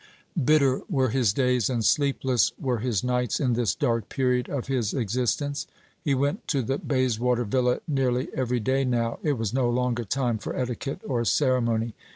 Bitter were his days and sleepless were his nights in this dark period of his existence. He went to the Bayswater villa nearly every day now. It was no longer time for etiquette or ceremony.